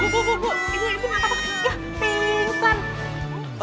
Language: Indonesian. bu bu bu bu ibu ibu apa